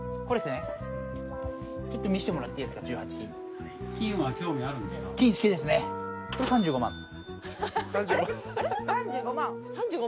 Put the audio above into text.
これ３５万？